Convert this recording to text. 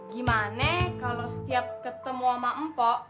gimana kalo setiap ketemu sama mpo